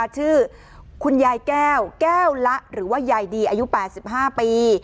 ชื่อคุณยายแก้วแก้วละหรือว่ายายดีอายุ๘๕ปี